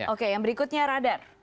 oke yang berikutnya radar